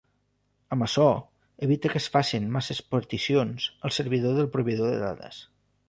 Amb açò evita que es facen massa peticions al servidor del proveïdor de dades.